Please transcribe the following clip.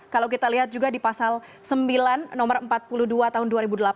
kalau kita lihat juga di pasal sembilan nomor empat puluh dua tahun dua ribu delapan belas